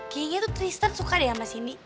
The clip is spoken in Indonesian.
kayaknya tuh tristan suka deh sama sidi